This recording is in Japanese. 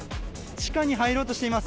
地下に入ろうとしています。